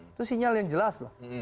itu sinyal yang jelas loh